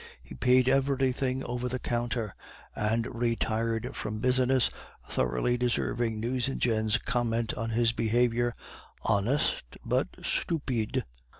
He paid everything over the counter, and retired from business, thoroughly deserving Nucingen's comment on his behavior 'Honest but stoobid.